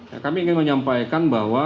ya kami ingin menyampaikan bahwa